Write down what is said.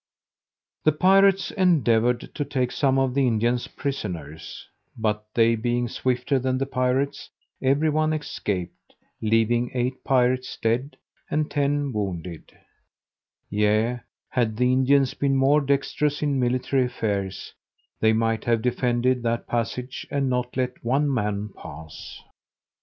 The pirates endeavoured to take some of the Indians prisoners, but they being swifter than the pirates, every one escaped, leaving eight pirates dead, and ten wounded: yea, had the Indians been more dextrous in military affairs, they might have defended that passage, and not let one man pass.